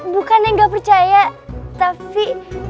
bukan yang gak percaya tapi